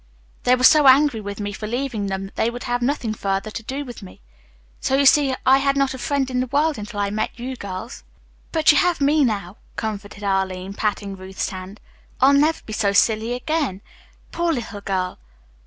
They were so angry with me for leaving them they would have nothing further to do with me. So you see I had not a friend in the world until I met you girls." "But you have me now," comforted Arline, patting Ruth's hand. "I'll never be so silly again. Poor little girl!"